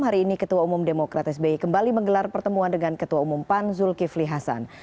hari ini ketua umum demokrat sby kembali menggelar pertemuan dengan ketua umum pan zulkifli hasan